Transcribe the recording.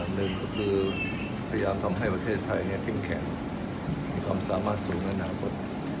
หนึ่งก็คือพยายามทำให้ประเทศไทยเข้มแข็งมีความสามารถสูงและอนาคต